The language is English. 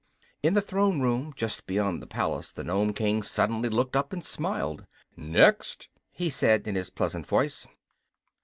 In the throne room just beyond the palace the Nome King suddenly looked up and smiled. "Next!" he said, in his pleasant voice.